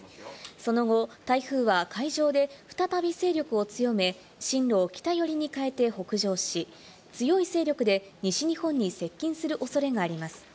その後、台風は海上で再び勢力を強め、進路を北寄りに変えて北上し、強い勢力で西日本に接近するおそれがあります。